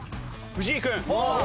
藤井君。